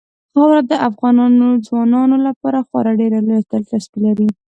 خاوره د افغان ځوانانو لپاره خورا ډېره لویه دلچسپي لري.